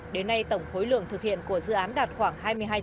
đến nay tổng khối lượng thực hiện của dự án đạt khoảng hai mươi hai